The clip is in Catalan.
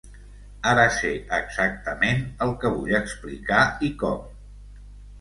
Ara sé exactament el que vull explicar i com.